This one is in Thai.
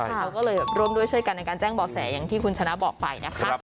เราก็เลยร่วมด้วยช่วยกันในการแจ้งบ่อแสอย่างที่คุณชนะบอกไปนะคะ